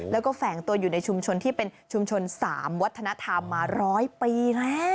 แล้วก็แฝงตัวอยู่ในชุมชนที่เป็นชุมชน๓วัฒนธรรมมา๑๐๐ปีแล้ว